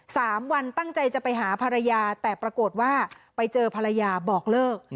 สามวันตั้งใจจะไปหาภรรยาแต่ปรากฏว่าไปเจอภรรยาบอกเลิก